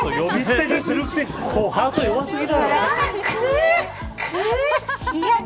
呼び捨てにするくせにハートは弱すぎだろう。